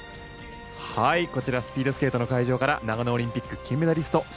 こちらスピードスケートの会場から長野オリンピック金メダリスト